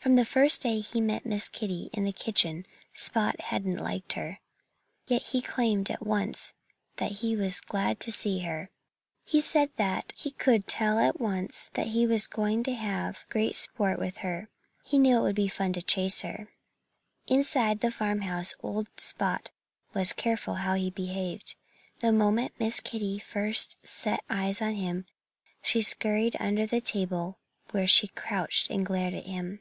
From the first day he met Miss Kitty in the kitchen Spot hadn't liked her. Yet he claimed at the time that he was glad to see her. He said that he could tell at once that he was going to have great sport with her. He knew it would be fun to chase her! Inside the farmhouse old Spot was careful how he behaved. The moment Miss Kitty first set eyes on him she scurried under the table, where she crouched and glared at him.